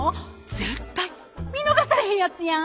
絶対見逃されへんやつやん！